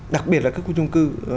đặc biệt là các khu chung cư